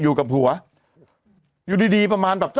อยู่กับหัวอยู่ดีประมาณ